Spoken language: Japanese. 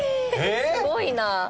すごいな。